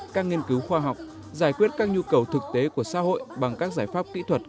các nghiên cứu khoa học giải quyết các nhu cầu thực tế của xã hội bằng các giải pháp kỹ thuật